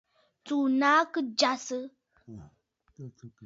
Tsùù nàa kɨ jasə.